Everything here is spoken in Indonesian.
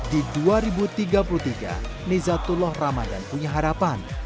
di dua ribu tiga puluh tiga nizatullah ramadan punya harapan